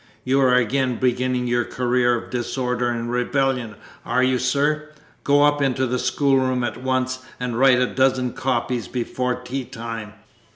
You are again beginning your career of disorder and rebellion, are you, sir? Go up into the schoolroom at once, and write a dozen copies before tea time!